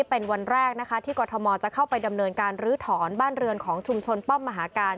เป็นวันแรกนะคะที่กรทมจะเข้าไปดำเนินการลื้อถอนบ้านเรือนของชุมชนป้อมมหาการ